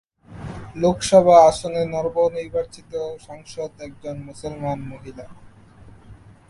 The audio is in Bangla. লোকসভা আসনে নবনির্বাচিত সাংসদ একজন মুসলমান মহিলা।